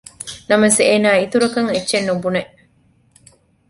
ނަމަވެސް އޭނާ އިތުރަކަށް އެއްޗެއް ނުބުނެ